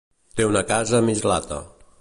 Té una casa a Mislata.